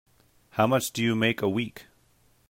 How much do you make a week?